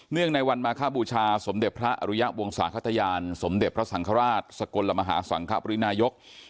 ในวันมาคบูชาสมเด็จพระอริยะวงศาขตยานสมเด็จพระสังฆราชสกลมหาสังคปรินายก